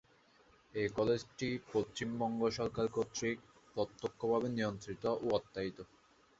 এই কলেজটি পশ্চিমবঙ্গ সরকার কর্তৃক প্রত্যক্ষভাবে নিয়ন্ত্রিত এবং অর্থায়িত।